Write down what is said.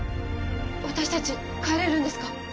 私達帰れるんですか？